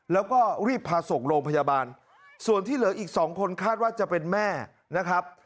แล้วก็รีบพาส่งโรงพยาบาลส่วนที่เหลืออีกสองคนคาดว่าจะเป็นแม่นะครับ